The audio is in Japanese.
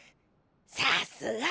さっすが。